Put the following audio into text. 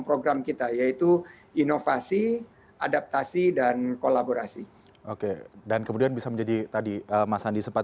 program kita yaitu inovasi adaptasi dan kolaborasi oke dan kemudian bisa menjadi tadi mas andi sempat